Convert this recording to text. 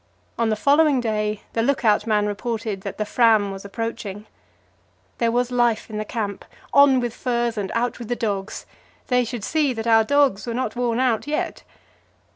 On the following day the lookout man reported that the Fram was approaching There was life in the camp; on with furs and out with the dogs. They should see that our dogs were not worn out yet.